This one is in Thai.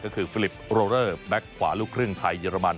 ก็คือฟิลิปโรเลอร์แบ็คขวาลูกครึ่งไทยเยอรมัน